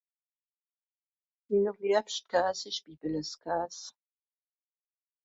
Minner liebscht Kas ìsch Bibbeleskaas.